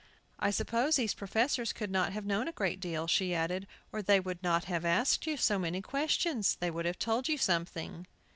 "I suppose these professors could not have known a great deal," she added, "or they would not have asked you so many questions; they would have told you something."